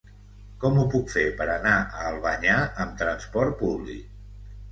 Com ho puc fer per anar a Albanyà amb trasport públic?